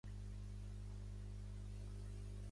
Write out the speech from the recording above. Charles Cone regentava la Western Auto Store.